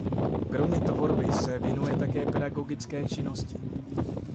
Kromě tvorby se věnuje také pedagogické činnosti.